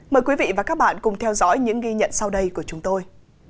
mời quý vị và các bạn cùng theo dõi những ghi nhận sau đây của chúng tôi